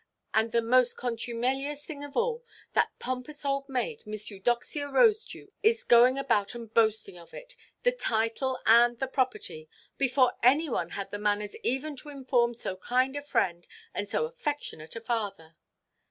And the most contumelious thing of all: that pompous old maid, Miss Eudoxia Rosedew, to be going about and boasting of it—the title and the property—before any one had the manners even to inform so kind a friend, and so affectionate a father!